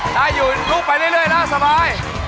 ได้อยู่ลูกไปได้เลยเริ่มสบาย